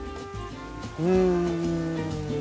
うん。